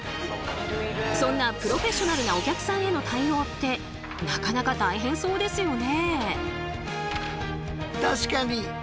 そんなプロフェッショナルなお客さんへの対応ってなかなか大変そうですよね。